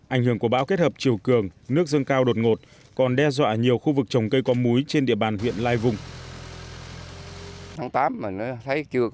ảnh hưởng của bão kết hợp chiều cường nước dâng cao đột ngột còn đe dọa nhiều khu vực trồng cây có múi trên địa bàn huyện lai vung